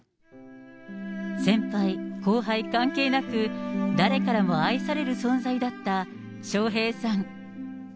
先輩後輩関係なく、誰からも愛される存在だった笑瓶さん。